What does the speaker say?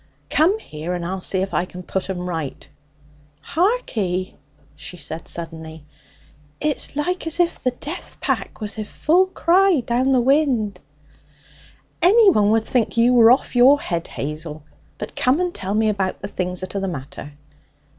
'Come here, and I'll see if I can put 'em right.' 'Harkee!' she said suddenly. 'It's like as if the jeath pack was i' full cry down the wind.' 'Anyone would think you were off your head, Hazel. But come and tell me about the things that are the matter.'